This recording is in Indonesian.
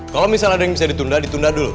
kalau misalnya ada yang bisa ditunda ditunda dulu